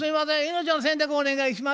命の洗濯お願いします」